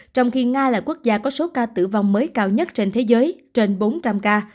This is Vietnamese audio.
trong khi nga là quốc gia có số ca tử vong mới cao nhất trên thế giới trên bốn trăm linh ca